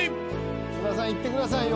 津田さんいってくださいよ。